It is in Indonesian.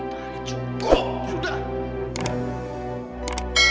tadi cukup sudah